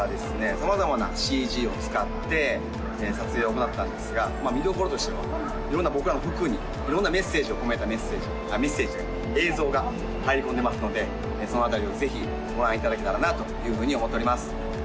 様々なＣＧを使って撮影を行ったんですが見どころとしては色んな僕らの服に色んなメッセージを込めたメッセージメッセージじゃない映像が入り込んでますのでその辺りをぜひご覧いただけたらなというふうに思っております